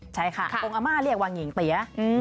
ใช่ค่ะองค์อาม่าเรียกว่าหญิงเตี๋ย